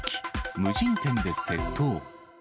無人店で窃盗。